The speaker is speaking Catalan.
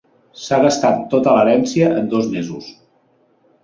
S'ha gastat tota l'herència en dos mesos.